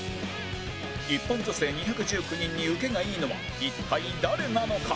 一般女性２１９人に受けがいいのは一体誰なのか？